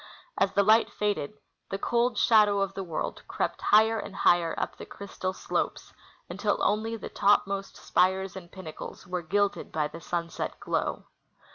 As the light faded, the cold shadoAV of the world crept higher and higher up the crystal slopes until only the topmost spires and pinnacles were gilded by the sunset glow.